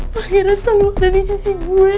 pangeran sama ada di sisi gue